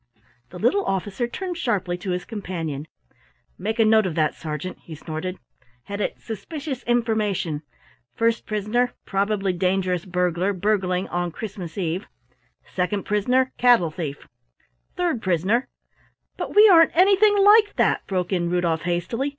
The little officer turned sharply to his companion. "Make a note of that, Sergeant," he snorted. "Head it, suspicious information: first prisoner, probably dangerous burglar burgling on Christmas eve; second prisoner, cattle thief; third prisoner " "But we aren't anything like that," broke in Rudolf hastily.